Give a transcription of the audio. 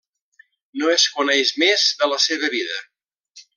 No es coneix més de la seva vida.